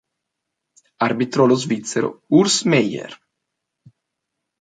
Arbitrò lo svizzero Urs Meier.